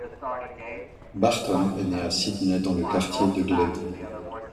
Barton est né à Sydney dans le quartier de Glebe.